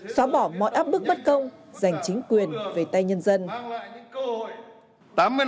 bỏ bỏ mọi áp bức bất công giành chính quyền về tay nhân dân